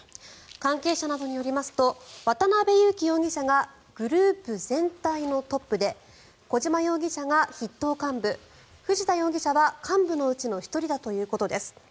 関係者などによりますと渡邉優樹容疑者がグループ全体のトップで小島容疑者が筆頭幹部藤田容疑者は幹部のうちの１人だということです。